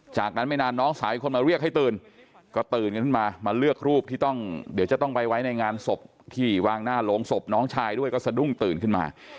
จากนั้นไม่นานน้องสาวอีกคนมาเรียกให้ตื่นก็ตื่นกันขึ้นมามาเลือกรูปที่ต้องเดี๋ยวจะต้องไปไว้ในงานศพที่วางหน้าโรงศพน้องชายด้วยก็สะดุ้งตื่นขึ้นมา